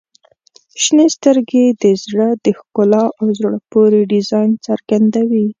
• شنې سترګې د زړه د ښکلا او زړه پورې ډیزاین څرګندوي.